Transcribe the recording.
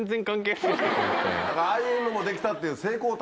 ああいうのもできたっていう成功体験。